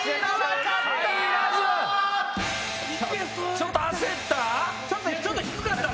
ちょっと焦った？